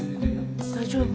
大丈夫？